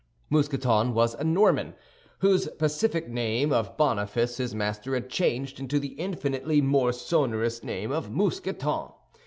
Mousqueton was a Norman, whose pacific name of Boniface his master had changed into the infinitely more sonorous name of Mousqueton.